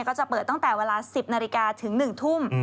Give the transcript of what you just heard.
ก็จะเปิดตั้งแต่เวลา๑๐นาฬิกาถึง๑ทุ่ม